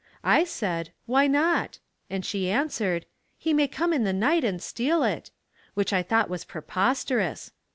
I said, "Why not," and she answered, "He may come in the night and steal it," which I thought was preposterous.